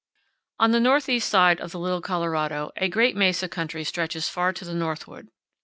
On the northeast side of the Little Colorado a great mesa country stretches far to the northward.